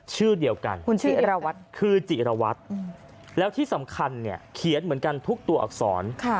ชื่อเดียวกันคุณชื่อคือจิรวัตรแล้วที่สำคัญเนี่ยเขียนเหมือนกันทุกตัวอักษร